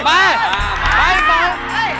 พี่ฟองอีก๑ดวงดาว